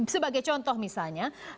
sebagai contoh misalnya